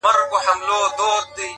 • ,اوښکو را اخیستي جنازې وي د بګړیو,